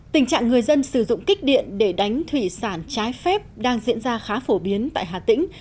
tình trạng người dân sử dụng kích điện để đánh thủy sản trái phép đang diễn ra khá phổ biến tại hà tĩnh